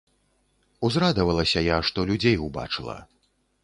Узрадавалася я, што людзей убачыла.